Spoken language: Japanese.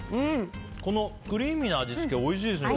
このクリーミーな味付けおいしいですね。